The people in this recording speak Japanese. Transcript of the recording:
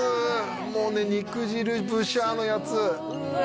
もうね肉汁ブシャーのやつうわ